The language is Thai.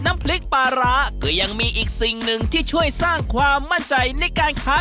น้ำพริกปลาร้าก็ยังมีอีกสิ่งหนึ่งที่ช่วยสร้างความมั่นใจในการค้า